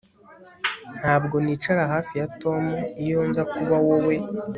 Ntabwo nicara hafi ya Tom iyo nza kuba wowe